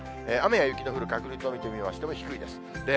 雨や雪の降る確率を見てみましても、低いです。